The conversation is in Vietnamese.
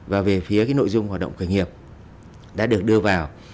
và về phía nội dung hoạt động khởi nghiệp đã được đưa vào